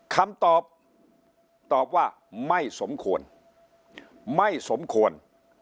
คำตอบตอบว่าไม่สมควรไม่สมควร